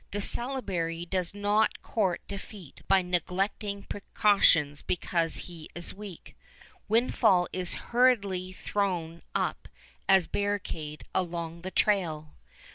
De Salaberry does not court defeat by neglecting precautions because he is weak. Windfall is hurriedly thrown up as barricade along the trail.